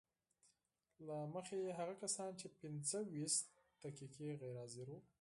له مخې یې هغه کسان چې پنځه ویشت دقیقې غیر حاضر وو